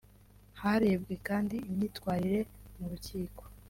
Harebwe kandi imyitwarire mu rukiko